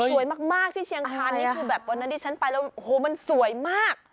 สวยมากที่เชียงคานนี่คือแบบวันนั้นดิฉันไปแล้วโอ้โหมันสวยมาก